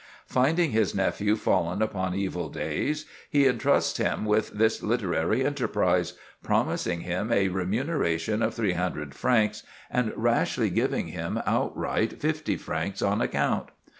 Finding his nephew fallen upon evil days, he intrusts him with this literary enterprise, promising him a remuneration of three hundred francs, and rashly giving him outright fifty francs on account.